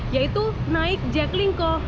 yaitu naik jack linko